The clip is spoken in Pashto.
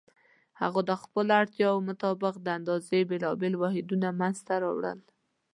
هغوی د خپلو اړتیاوو مطابق د اندازې بېلابېل واحدونه منځته راوړل.